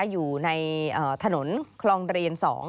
อยู่ในถนนคลองเรียน๒